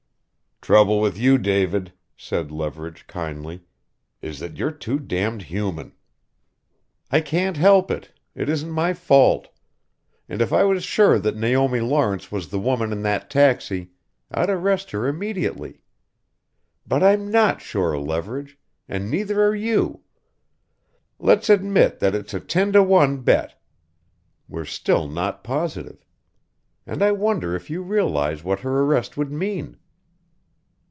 "Trouble with you, David," said Leverage kindly "is that you're too damned human!" "I can't help it. It isn't my fault. And if I was sure that Naomi Lawrence was the woman in that taxi, I'd arrest her immediately. But I'm not sure, Leverage and neither are you. Let's admit that it's a ten to one bet we're still not positive. And I wonder if you realize what her arrest would mean?"